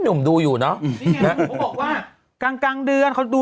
นุ่มดูอยู่เนาะนี่ไงผมบอกว่ากลางเดือนเขาดู